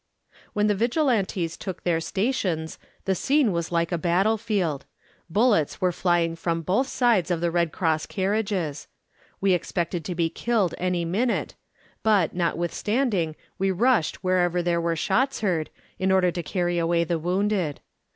When the Vigilantes took their stations, the scene was like a battlefield. Bullets were flying from both sides of the Red Cross carriages. We expected to be killed any minute, but notwithstanding, we rushed wherever there were shots heard in order to carry away the wounded.